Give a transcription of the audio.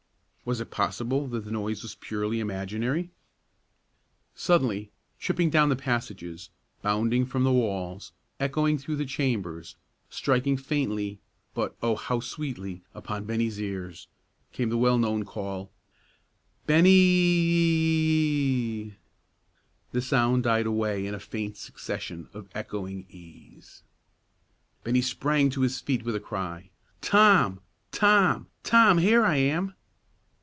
Was it possible that the noise was purely imaginary? Suddenly, tripping down the passages, bounding from the walls, echoing through the chambers, striking faintly, but, oh, how sweetly, upon Bennie's ears, came the well known call, "Ben nie e e e!" The sound died away in a faint succession of echoing e's. Bennie sprang to his feet with a cry. "Tom! Tom! Tom, here I am."